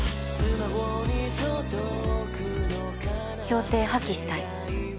協定破棄したい。